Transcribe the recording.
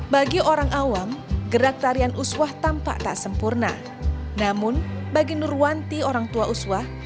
bagi orang awam gerak tarian uswah tampak tak sempurna namun bagi nurwanti orang tua uswah